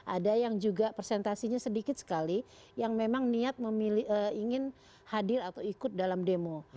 ada yang juga presentasinya sedikit sekali yang memang niat ingin hadir atau ikut dalam demo